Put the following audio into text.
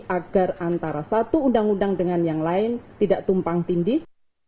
agar antara satu undang undang dengan yang lain tidak tumpang tindih